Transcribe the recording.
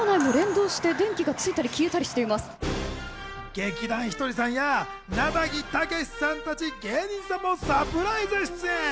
劇団ひとりさんや、なだぎ武さんたち芸人さんもサプライズ出演。